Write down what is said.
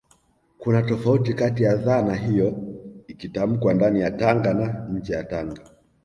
kuna tofauti kati ya dhana hiyo ikitamkwa ndani ya Tanga na nje ya Tanga